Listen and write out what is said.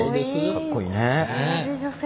かっこいいね。